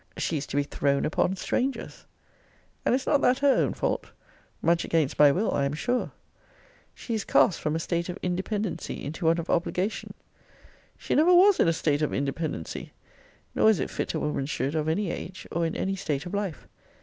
She is to be thrown upon strangers! And is not that her own fault? Much against my will, I am sure! She is cast from a state of independency into one of obligation. She never was in a state of independency; nor is it fit a woman should, of any age, or in any state of life.